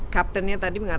kaptennya tadi mengatakan